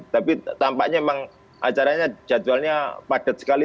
tapi tampaknya memang acaranya jadwalnya padat sekali